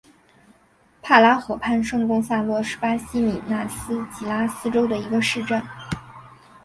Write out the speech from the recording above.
帕拉河畔圣贡萨洛是巴西米纳斯吉拉斯州的一个市镇。